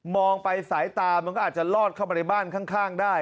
องไปสายตามันก็อาจจะลอดเข้ามาในบ้านข้างได้